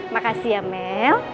makasih ya mel